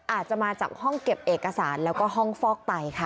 อาจจะมาจากห้องเก็บเอกสารแล้วก็ห้องฟอกไตค่ะ